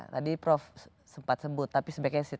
tadi prof sempat sebut tapi sebagai